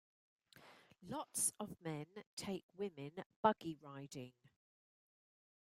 Lots of men take women buggy riding.